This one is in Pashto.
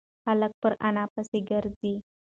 هلک پر انا پسې گرځي.